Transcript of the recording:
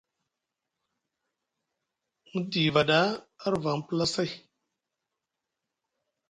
Mu diva ɗa arvaŋ pulasay.